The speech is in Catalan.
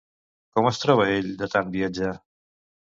Com es troba ell de tant viatjar?